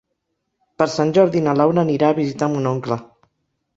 Per Sant Jordi na Laura anirà a visitar mon oncle.